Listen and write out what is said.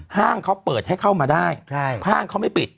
ห้างเขาเปิดให้เข้ามาได้ห้างเขาไม่ปิด